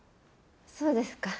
そうですか。